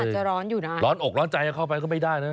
จะร้อนอยู่นะร้อนอกร้อนใจเข้าไปก็ไม่ได้นะ